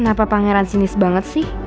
kenapa pangeran sinis banget sih